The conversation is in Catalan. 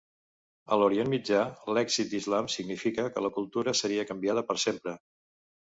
A l'Orient Mitjà, l'èxit d'Islam significà que la cultura seria canviada per sempre.